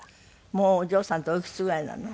もうお嬢さんっておいくつぐらいになるの？